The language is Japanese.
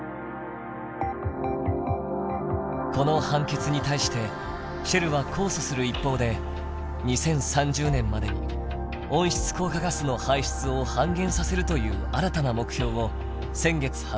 この判決に対してシェルは控訴する一方で２０３０年までに温室効果ガスの排出を半減させるという新たな目標を先月発表しました。